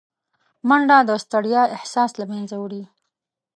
منډه د ستړیا احساس له منځه وړي